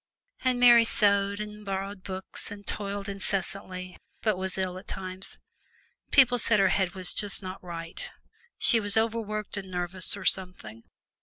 And Mary sewed and borrowed books and toiled incessantly, but was ill at times. People said her head was not just right she was overworked and nervous or something!